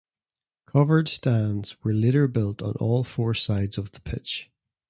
Covered stands were later built on all four sides of the pitch.